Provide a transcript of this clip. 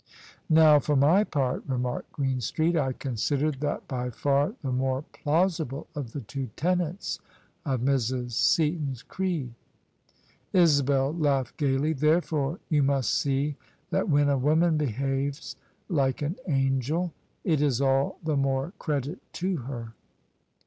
" Now for my part," remarked Greenstreet, " I considered that by far the more plausible of the two tenets of Mrs. Sea ton's creed." Isabel laughed gaily. " Therefore you must see that when a woman behaves like an angel it is all the more credit to her."